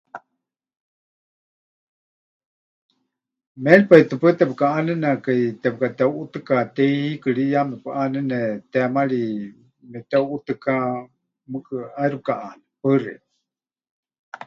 Méripai tɨ paɨ tepɨkaʼánenekai tepɨkateuʼutɨkatei, hiikɨ ri ya mepɨʼánene teemari, mepɨteuʼutɨká, mɨɨkɨ ʼaixɨ pɨkaʼaane. Paɨ xeikɨ́a.